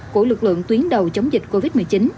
của lực lượng tuyến đầu chống dịch covid một mươi chín